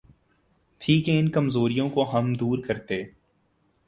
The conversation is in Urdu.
تھی کہ ان کمزوریوں کو ہم دور کرتے۔